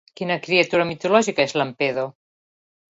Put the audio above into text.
Quina criatura mitològica és Lampedo?